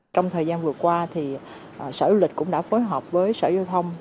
trong thời gian vừa qua sở du lịch cũng đã phối hợp với sở giao thông